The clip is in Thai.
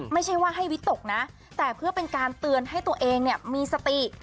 ไม่ใช่ว่าให้วิตกนะแต่เพื่อเป็นการเตือนให้ตัวเองเนี่ยมีสติ